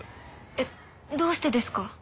えっどうしてですか？